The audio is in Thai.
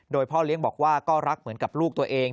โดยพ่อเลี้ยงบอกว่าก็รักเหมือนกับลูกตัวเอง